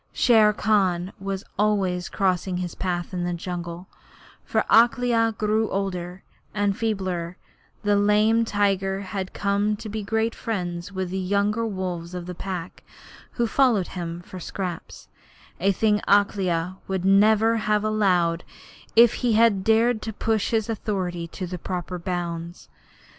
Shere Khan was always crossing his path in the jungle, for as Akela grew older and feebler the lame tiger had come to be great friends with the younger wolves of the Pack, who followed him for scraps, a thing Akela would never have allowed if he had dared to push his authority to the proper bounds.